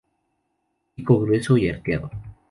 Pico grueso y arqueado.